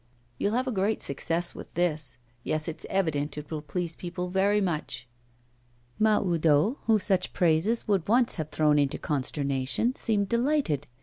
You'll have a great success with this. Yes, it's evident it will please people very much.' Mahoudeau, whom such praises would once have thrown into consternation, seemed delighted.